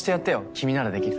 君ならできる。